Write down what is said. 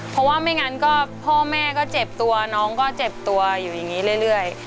เพราะว่าไม่งั้นก็พ่อแม่ก็เจ็บตัวน้องก็เจ็บตัวอยู่อย่างนี้เรื่อย